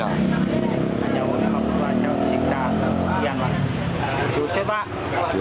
jauhnya aku baca siksa